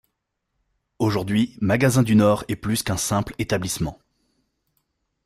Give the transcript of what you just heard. Aujourd'hui, Magasin du Nord est plus qu'un simple établissement.